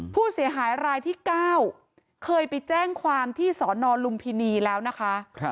ผู้เสียหายรายที่๙เคยไปแจ้งความที่สนลุมพินีแล้วนะคะ